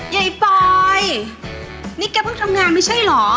ยายปอยนี่แกเพิ่งทำงานไม่ใช่เหรอ